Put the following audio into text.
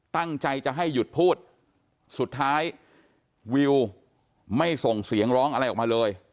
ตั้งใจจะให้หยุดพูดสุดท้ายวิวไม่ส่งเสียงร้องอะไรออกมาเลย